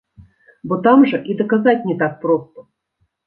Бо там жа і даказаць не так проста.